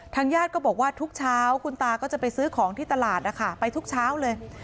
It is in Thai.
ญาติก็บอกว่าทุกเช้าคุณตาก็จะไปซื้อของที่ตลาดนะคะไปทุกเช้าเลย